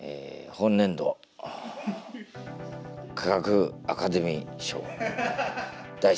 本年度科学アカデミー賞第３位！